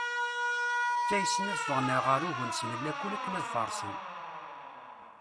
Ttaysen ad d-ffɣen ɣer ugnes n lakul akken ad farsen.